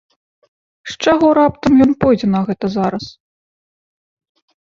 З чаго раптам ён пойдзе на гэта зараз?